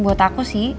buat aku sih